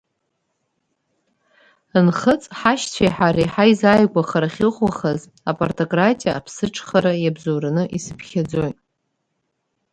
Нхыҵ, ҳашьцәеи ҳареи ҳаизааигәахара ахьыӷәӷәахаз, апартократиа аԥсыҽхара иа-бзоураны исыԥхьаӡоит.